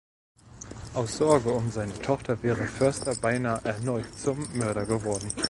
Aus Sorge um seine Tochter wäre Förster beinahe erneut zum Mörder geworden.